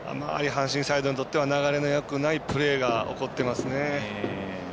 阪神サイドにとっては流れのよくないプレーが起こってますね。